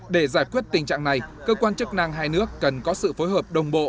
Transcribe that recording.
để giải quyết tình trạng này cơ quan chức năng hai nước cần có sự phối hợp đồng bộ